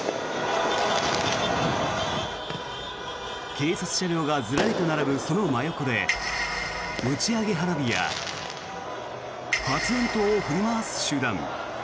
警察車両がずらりと並ぶその真横で打ち上げ花火や発煙筒を振り回す集団。